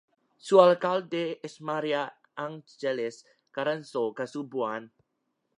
Su alcalde es María Ángeles Caranzo-Casubuán.